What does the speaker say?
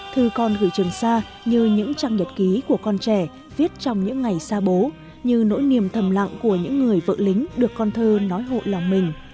thư con gửi trường xa như những trang nhật ký của con trẻ viết trong những ngày xa bố như nỗi niềm thầm lặng của những người vợ lính được con thơ nói hộ lòng mình